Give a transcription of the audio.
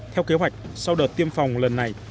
theo kế hoạch sau đợt tiêm phòng lần này